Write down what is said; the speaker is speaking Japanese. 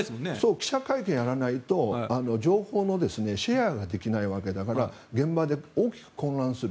記者会見をやらないと情報のシェアができないわけだから現場で大きく混乱する。